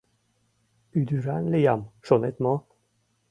Ӱдыран лиям, шонет мо?